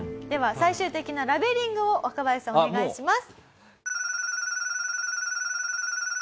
最終的なラベリングを若林さんお願いします。